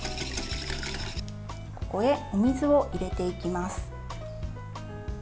ここへお水を入れていきます。